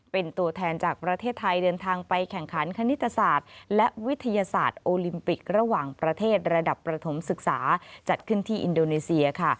เป็นตัวแทนจากประเทศไทยเดินทางไปแข่งขันคณิตศาสตร์และวิทยาศาสตร์โอลิมปิกระหว่างประเทศระดับประถมศึกษาจัดขึ้นที่อินโดนีเซียค่ะ